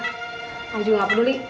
ayah juga gak peduli